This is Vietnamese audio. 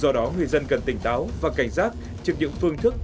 do đó người dân cần tỉnh táo và cảnh giác trước những phương thức